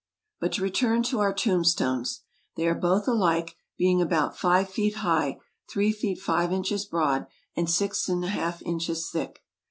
But to return to our tombstones. They are both alike, being about five feet high, three feet five inches broad, and six inches and a half thick.